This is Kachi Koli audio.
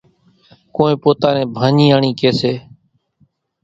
ڪونئين پوتا نين ڀانڄياڻِي ڪيَ سي۔